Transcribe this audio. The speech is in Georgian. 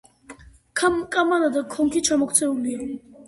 კამარა და კონქი ჩამოქცეულია.